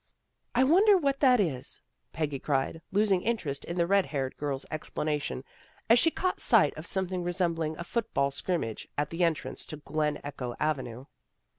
" I wonder what that is," Peggy cried, losing interest in the red haired girl's explanation, as she caught sight of something resembling a football scrimmage at the entrance to Glen Echo Avenue.